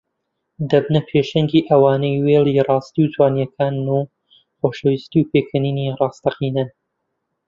دەبنە پێشەنگی ئەوانەی وێڵی ڕاستی و جوانییەکان و خۆشەویستی و پێکەنینی ڕاستەقینەن